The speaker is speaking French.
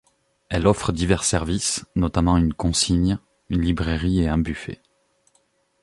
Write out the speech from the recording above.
Elle offre divers services, notamment une consigne, une librairie et un buffet.